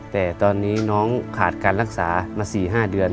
แต่ตอนนี้น้องขาดการรักษามา๔๕เดือน